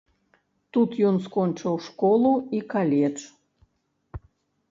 Тут ён скончыў школу і каледж.